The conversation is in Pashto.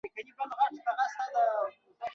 د مينې او حشمتي ميندو د خوړو په تيتولو پيل وکړ.